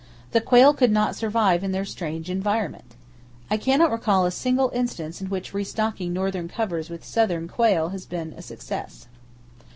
The quail could not survive in their strange environment. I cannot recall a single instance in which restocking northern covers with southern quail has been a success.